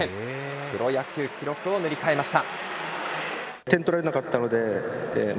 プロ野球記録を塗り替えました。